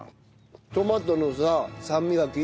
トマトのさ酸味が利いてて。